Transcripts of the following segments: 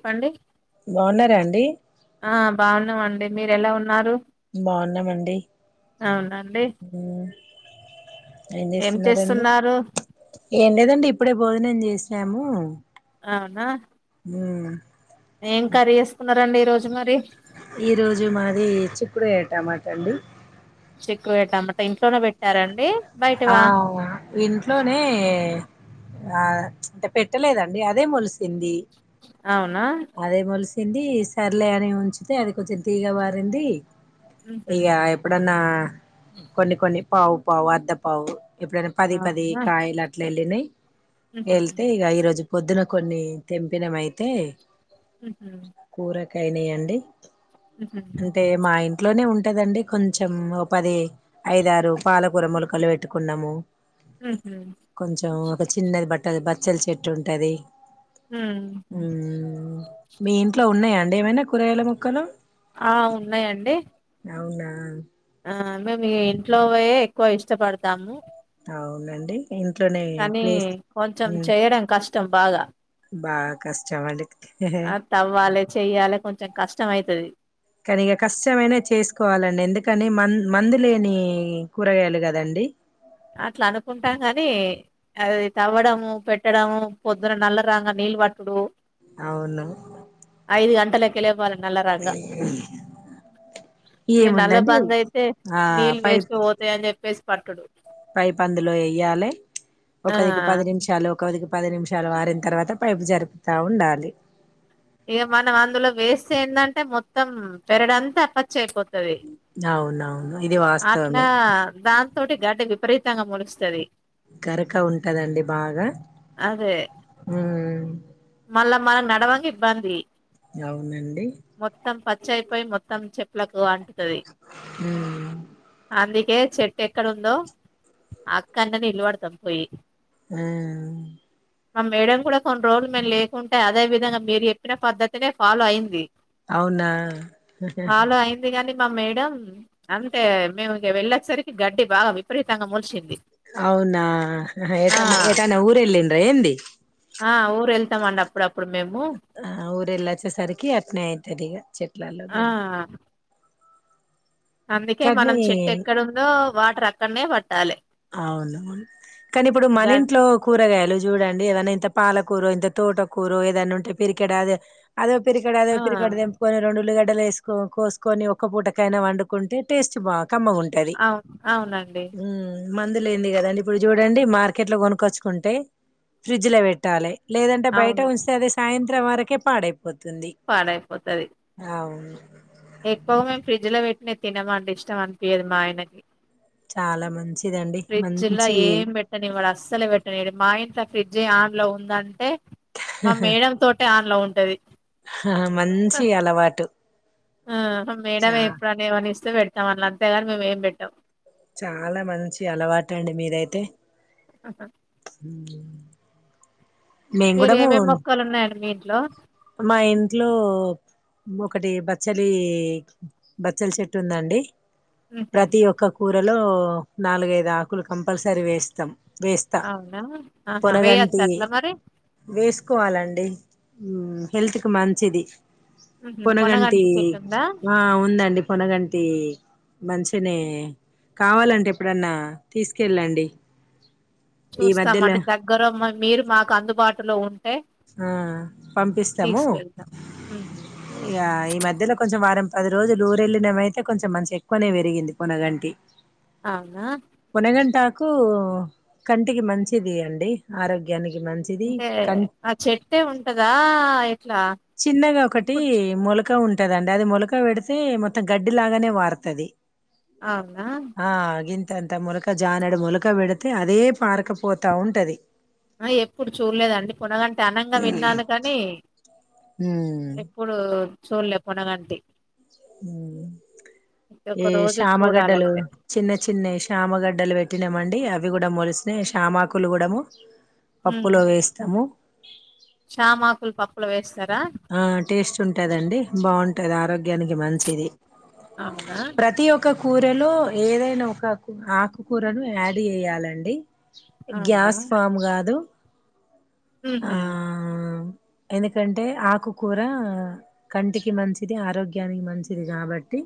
చెప్పండి బాగున్నారా అండి ఆ బాగున్నామండి మీరు ఎలా ఉన్నారు బాగున్నామండి అవునండి ఏం చేస్తున్నారు ఏం లేదండి ఇప్పుడే భోజనం చేసినాము అవునా హుమ్ ఏం కర్రీ చేసుకున్నారండి ఈ రోజు మరి ఈ రోజు మాది చిక్కుడుగాయ టమోటా అండి చిక్కుడుకా టమోటా ఇంట్లోనే పెట్టారా అండి ఆవ్ ఇంట్లోనే ఆ పెట్టలేదండి అదే మొల్ స్ సింది అవునా అదే మొలస్ సింది సర్లే అని ఉంచితే అది కొంచెం తీగ వారింది ఉహు ఇగ ఎప్పుడన్నా కొన్ని కొన్ని పావు పావు అర్ధ పావు ఎప్పుడైనా పది పది అవునా కాయలు అట్లా వెళ్ళినాయి ఉహు వెళ్తే ఇగ ఈరోజు పొద్దున కొన్ని తెంపినం అయితే అ హా ఐనాయి అండి అంటే మా ఇంట్లోనే ఉన్ ఉంటదండి కొంచెం ఓ పది ఐదు, ఆరు పాలకూర మొలకలు పెట్టుకున్నాము. ఉహు కొంచెం ఒక చిన్నది బట్టల్ బచ్చలి చెట్టు ఉంటది ఉమ్ ఉమ్ మీ ఇంట్లో ఉన్నాయండి ఏమైనా కూరగాయల మొక్కలు ఆ ఉన్నయండీ అవునా ఆ మేం ఇంట్లోవే ఎక్కువ ఇష్టపడతాము అవునండి ఇంట్లోనే కానీ ప్లేస్ కొంచెం చేయడం కష్టం బాగా. బాగ కష్ట [unintelligible] తే ఆ తవ్వాలి చెయ్యాలి కొంచెం కష్టం అయితది కానీ ఇగ కష్టమైనా చేసుకోవాలండి ఎందుకని మన్ మందులేని కూరగాయలు కదండి అట్లా అనుకుంటాం గాని అది తవ్వడము పెట్టడము పొద్దున నల్ల రాంగానే నీ ళ్ళు వట్టుడు అవును గంటలకే లేవ్వాలి ఈ నల్ల ఏముందండి బంద్ అయితే ఆ నీళ్ళు పైప్ వేస్ట్ గా పోతాయని చెప్పేసి పట్టుడు పైప్ అందులో వెయ్యాలె ఆ ఒకదిక్కు పదినిమిషాలు ఒకదికు పది నిమిషాలు వారిన తర్వాత పైపు జరుపుతా ఉండాలి ఇగ మనం అందులో వేస్తే ఏందంటే మొత్తం పెరడంతా అప్పచ్చి అయిపో తది అవునవును ఇది అట్లా వాస్తవమే దాంతోటి గడ్డి వి పరీతంగా మొలుస్తది గరక ఉంటదండి బాగా. అదే ఉమ్ మళ్ళా మనం నడావాంగా ఇబ్బంది. అవునండి చేయిపోయి మొత్తం చెప్పులకు అంటుతది. ఉమ్ అందుక్ కే చెట్టు ఎక్కడ ఉందో. అక్కడనే నిలవడతం పోయి. ఆ మా మేడం కూడా కొన్ని రోలు మేము లేకుంటే. అదే విధంగా మీరు చెప్పిన, పద్ద్దతినే ఫాలో అయింది. అవునా ఫాలో అయింది కాని మా మేడం. అంటే మేము ఇగ వెళ్ళేసరికి గడ్డి బాగా విపరీతంగా మోలిషింది. అవునా ఏటన్ ఏటన్న ఊరేలిండ్ర ఏంది. ఆ ఊరు వెళ్తామండ్ అప్పుడ అప్పుడు మేం. ఆ ఆ ఊరెలోచ్చే సరికి అత్నే అయితదిగా. చెట్లల్లో ఆ గడ్డ అందుకే మనం చెట్టు ఎక్కడుందో. వాటర్ అక్కడ్నే పట్ అవునవును కానీ ఇప్పుడు గ మనింట్లో కూరగాయలు చూడండి. ఏదనా ఇంత పాలకూరో ఇంత తోటకూరో ఏదన్న ఉంటే. పరికెడదే ఆదొ పరికడదో ఆ పరికడ తెంపుకొని రెండూళ్ళిగాడ్ డలేసుకో కోసుకొని ఒక్క పూటకైనా వండుకుంటే. టేస్ట్ బావ్ కమ్మగుంటది. అవు అవునండి మందు లేనింది కదండి. ఇప్పుడు చూడండి మార్కెట్ లో కొనుక్కొచ్చుకుంటే ఫ్రిడ్జ్ లో పెట్టాలి. లేదంటే బయట అవును ఉంచ్తే అదే. సాయంత్రం వరకే పాడైపోతుంది. అవును ఎక్కువ్ మేము ఫ్రిడ్జ్ లో పెట్టినయ్ తినమమండి. ఇష్టం అనిపియదు మా ఆయనకి. చాలా మంచిదండి ఫ్రిడ్జ్లా మంచి ఏం పెట్టనీవాడు. అస్సలే పెట్టనీ మా ఇంట్ల ఫ్రిడ్జె ఆన్ లో ఉందంటే. మా మేడం తోటే ఆన్ లో ఉంటది. ఆహహ మంచి అలవాటు ఆ మేడమ చా ఎప్పుడని ఏమనిస్తే పెడతాం అళ్ళ, అంతేగాని. మేము ఏం పెట్టాం. చాలా మంచి అలవాటు అండి మీదైతే. ఉమ్ మేము మీరు గూడా ఏమేమి మూన్, మొక్కలు ఉన్నాయండి మీ ఇంట్లో ఇప్పుడ్ మా ఇంట్లో ఒకటి బచ్చలి బచ్చల్ చెట్టు ఉందండి. ఉహు ప్రతి ఒక్క కూరలో నాలుగైదు ఆకులు కంపల్సరీ వేస్తాం. వేస్తా అవునా ఆహా వేయచ్చా పొనగంటి అట్లా మరి వేసుకోవాలండి. ఉహ్ హెల్త్ కి మంచిది. ఉహు పొనగంటి చెట్టు ఉందా ఆ ఉందండి పునగంటి. మంచినే కావాలంటే ఎప్పుడన్నా తీసుకెళ్ళండి. ఈ మధ్యలో చూస్తామండి దగ్గర. మా మీరు మాకు అందుబాటులో ఉన్ ఉమ్ పంపిస్తాము. తీసుకెళ్తాం ఉహు ఇగా ఈ మధ్యలో కొంచెం వారం పది రోజులు ఊరెళ్ళినమైతే కొంచెం మంచిగ ఎక్కువనే పెరిగింది పొనగంటి అవునా కు కంటికి మంచిది అండి. ఆరోగ్యానికి మంచిది, అంటే కంట్ ఆ చెట్టే ఉంటదా. ఆ చిన్నగా ఒకటి మొలక ఉంట్ ఉంటదండి. అది మొలక పెడితే మొత్తం. గడ్డి లాగానే వారుతది. అవునా తంత మొలక, జానడు మొలక పెడితే అదే పారకపోతా ఉంటది. ఆ ఎప్పుడు చూడలేదండి. పొనగంటి అనంగా విన్నాను కానీ. ఉమ్ ఎప్పుడు చూల్లే పొనగంటి. ఉహ్ ఒక ఈ రోజు శ్యామగడ్డలు, చూడాలయితే చిన్న చిన్న శామగడ్డలు పెట్టిన మాండ్ డి అవి గూడా మొలిసినాయి. షామాకులుగూడాము ఉమ్ శ్యామకులు పప్పుల వేస్ ఆ టేస్ట్ ఉంటదండి. బావుంటది ఆరోగ్యానికి మంచిది. అవునా ప్రతి ఒక కూరలో ఏదైనా ఒకాకు ఆకుకూరను యాడ్ జెయ్యాలండి గ్యాస్ ఫామ్ గాదు ఊహు ఎందుకంటే ఆ కుకూర కంటికి మంచిది ఆరోగ్యానికి మంచిది గాబట్టి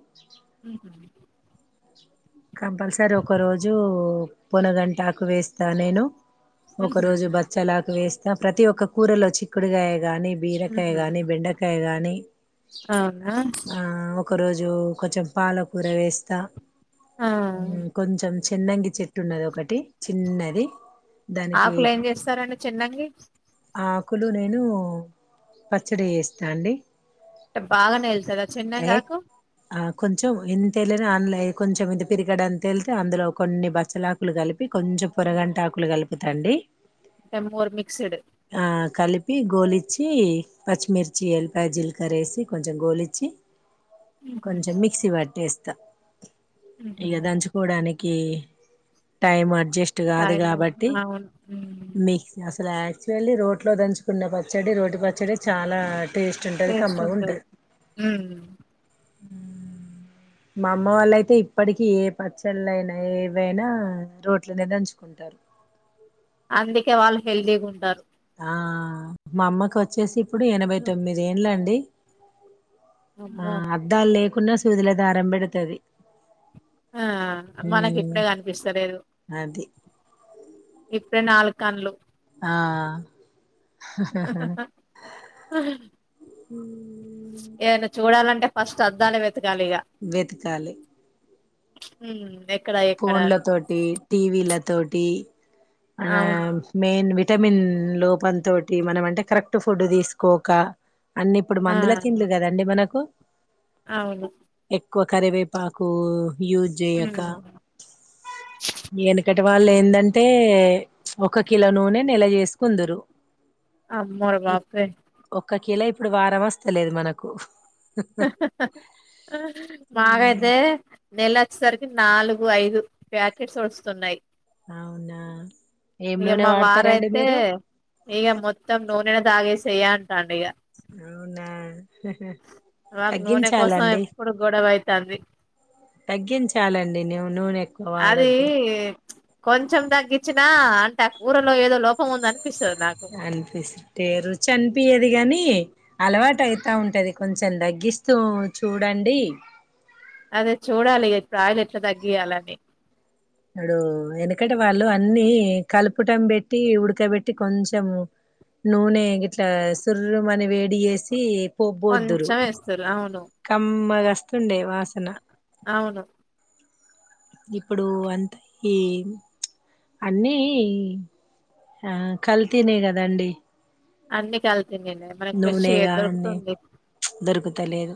ఊహు కంపల్సరీ ఒక రోజు పొనగంటాకు వేస్తా నేను ఒక ఉహు రోజు బచ్చలాకు వేస్తా ప్రతి ఒక్క కూరలో చిక్కుడుగాయ గాని బీరకాయ ఉహు. గాని బెండకాయ గాని అవునా ఆ ఒక రోజు కొంచెం పాలకూర వేస్తా ఆ ఉం కొంచెం చిన్నంగి చె ట్టున్నదొకటి చిన్నది దానికి ఆకులు ఏం చేస్తారండి చిన్నంగి ఆకులు నేను పచ్చడి చేస్తా అండి బాగనే ఎల్తర ఏ చిన్నగాకు ఆ కొంచెం ఎంతెళినా ఆన్లై కొంచెం ఇది పిరిగడంతెళ్తే అందులో కొన్ని బచ్చలాకులు గలిపి కొంచెం పొరగంటాకులు కలుపుతండి డెమోర్ మిక్స్డ్ ప్పి గోలిచ్చి పచ్చిమిర్చి ఎల్పాయ జీల్కరేసి కొంచెం గోలిచ్చి ఉహు. కొంచెం మిక్సీ పట్టేస్తా ఉహు. ఇగ దంచుకోడానికి కి టైం అడ్జస్ట్ గాదు టైమ్ గాబట్టి అవును ఉమ్ మిక్స్ యాక్చువల్లీ రోట్లో దంచుకున్నే పచ్చడి రోటి పచ్చడి చాలా టేస్ట్ ఉంటది టేస్ట్ ఉంటది కమ్మగుంటది ఉమ్ మా అమ్మవాలై తే ఇప్పటికీ ఏ పచ్చళ్ళయినా ఏవైనా రోట్లనే దంచుకుంటారు అందుకే వాళ్ళు హెల్దీగుంటారు ఆ మా అమ్మకు వచ్చేసి ఇప్పుడు ఎనభై తొమ్మిది ఏండ్లండి ఆ అమ్మో అద్దాలు లేకున్నా సూదుల దారం బెడతది ఆ మనకిప్పుడే కనిపిస్తలేదు అది ఇప్పేణాలుకన్లు ఆ ఆ ఏను చూడాలంటే ఫస్ట్ అద్దాల వెతకాలి నె పోన్ల తోటి టీ వీ ల తోటి అ అవును మెయిన్ వి విటమిన్ లోపంతోటి మనం అంటే కరెక్ట్ ఫుడ్ తీసుకోక అన్నిప్పుడు ఆ మందుల తిండ్లు కదండి మనకు అవును ఎక్కువ కరివేపాకు యూజ్ జేయక ఉమ్ ఎనుకటి వాళ్ళు ఏందంటే ఒక కిలో నూనె నెల చేేసుకుందురు అమ్మోర బాప్రే ఒక్క కిలో ఇప్పుడు వారమస్తలేదు మనకు మా హ్మ్ గదే నెల వొచ్చేసరికి నాలుగు ఐదు ప్యాకెట్స్ వడుస్తున్నాయి అవునా ఏం ఇగ నూనె మా వాడతారండి వారైతే మీరు ఇగ మొత్తం నూనెను దాగేసెయ్యే అంటాండిగ అవునా మాకు నూనె కోసం తగ్గించాలండి ఎప్పుడు గొడవైతాంది తగ్గించాలండి న్యు నూనెక్కువ అది వాడొద్దు కొంచెం తగ్గిచినా అంటే ఆ కూరలో ఏదో లోపముంద అనిపిస్తే రుచి అనిపియ్యది గాని అలవాటు అయితా ఉంటది కొంచెం తగ్గిస్తూ చూడండి అదే చూడాలి ఇప్పుడు ఆయిల్ ఎట్లా తగ్గియాలని అప్పుడు వెనకటి వాళ్లు అన్ని కలుపటం పెట్టి ఉడకబెట్టి కొంచెం నూనె ఇట్లా సురుమని వేడి చేసి పబ్బోద్దురు కొంచెం ఏస్తరు అవును కమ్మ గస్తుండే వాసన అవును ఇప్పుడు అందరికీ అన్నీ ఆ కల్తీ కదాండి అన్నీ కల్తీనే కదండీ మనకి ఫ్రెష్ గా ఏడ దొరుకుతుంది లేదు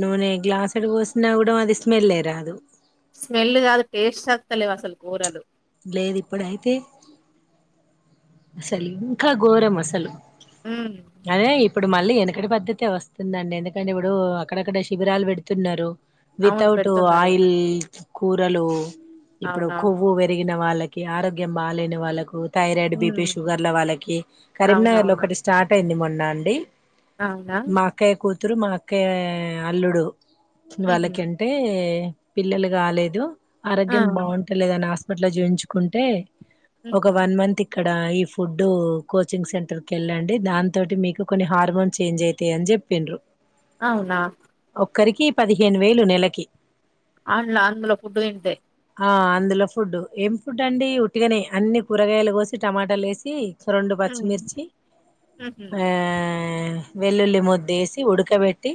నూనె గ్లాస్డు పోసిన కూడా అది స్మెల్ రాదు స్మెల్ కాదు టేస్ట్ ఆతలే అసలు కూరలు లేదు ఇప్పుడ అయితే అసలు ఇంకా ఘోరం అసలు ఉమ్ అదే ఇప్పుడు మళ్ళీ వెనకటి పద్ద్దతి వస్తుందండి ఎందుకంటే ఇప్పుడు అక్కడక్కడ శిబిరాలు పెడుతున్నారు అవును వితట్ పెడుతున్నారు ఆయిల్ కూరలు ఇప్పుడు అవునవును కొవ్వు పెరిగిన వాళ్ళకి ఆరోగ్యం బాలేని వాళ్ళలకు thyroid B P B P ఉమ్ షుగర్ వాళ్ళకి కరీంనగర్ లో అవునవును ఒకటి స్టార్ట్ అయింది మొన్న అండి అవునా మా అక్కయ్య కూతురు మా అక్కయ్య అల్లుడు ఉహు వాళ్ళకంటే పిల్లలు కాలేదు ఆ ఆరోగ్యం బాగుంటలేదని హాస్పిటల్ హాస్పిటల్ చూయించుకుంటే ఒక ఉహు వన్ మంత్ ఇక్కడ ఈ ఫుడ్ కోచింగ్ సెంటర్ కి వెళ్ళండి దాని తోటి మీకు కొన్ని హార్మోన్ చేంజ్ అయితాయిండి చెప్పిండ్రు అవునా ఒక్కరికి పదిహేను వేలు నెలకి ఆండ్లో అందులో ఫుడ్ తింటే ఆ అందులో ఫుడ్ ఏం ఫుడ్ అండి ఉట్టికనే అన్ని కూరగాయలు కోసి టమాటాలు వేసిన రెండు ఉమ్ పచ్చిమిర్చి ఉహు ఆ వెల్లుల్లి ముద్ద వేసి ఉడకబెట్టి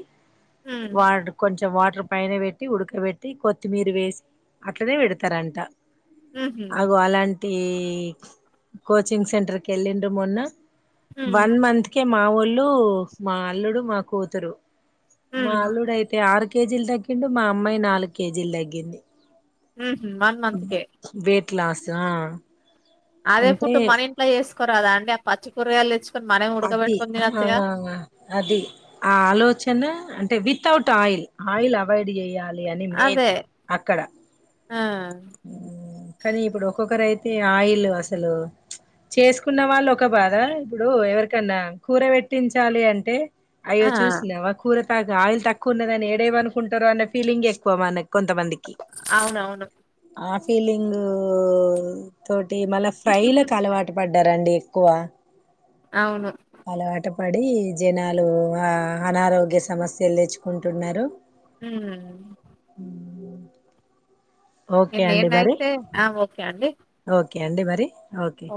ఉమ్ వా కొంచెం వాటర్ పైన పెట్టి ఉడకబెట్టి కొత్తిమీర వేసి అట్లనే పెడతారంట ఉహు అగో అలాంటి కోచింగ్ సెంటర్ కి వెళ్లే సి మొన్న ఉమ్ వన్ మంత్కే మా ఒ ఊళ్ళు మా అల్లుడు మా కూతురు మా ఉమ్ అల్లుడు అయితే ఆరు కేజీలు తగ్గిండు మా అమ్మాయి నాలుగు కేజీలు తగ్గింది ఉ వన్ మంత్కే గ్లాసుల అదే పుడ్ మన ఇంట్లో చేసుకోరద అండి పచ్చికరగాయలు తెచ్చుకో అది ఆ అది ఆ ఆలోచన అంటే విత్ ట్ ఆయిల్. ఆయిల్ అవాయిడ్ చేయాలి అని మెయిన్ అదే అక్కడ. ఆ కానీ ఇప్పుడు ఒక్కొక్కరు అయితే ఆయిల్ అసలు చేసుకున్న వాళ్ళు ఒక బాధ ఇప్పుడు ఎవరికి న్నా కూర పెట్టించాలి అంటే అయ్యో ఆ చూసినావా కూర త ఆయిల్ తక్కువ ఉన్నదిని ఏడేవ అనుకుంటారు అనే ఫీలింగ్ ఎక్కువ మన కొంతమందికి అవునవును ఆ ఫీలింగ్ తోటి మ ఫ్రై కాలవాట పడి తింటారండి ఎక్కువ అవును అలవాట పడి జనాలు ఆ అనారోగ్య సమస్యలు తెచ్చుకుంటున్నారు ఉ టీవీ సౌండ్ నేనైతే ఆ ఓకే అండి ఓ కే అడి మరి ఓకే